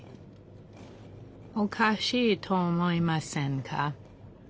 おかしいと思いませんか？